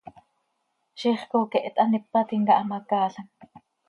Ziix coqueht hanípatim cah hamacaalam.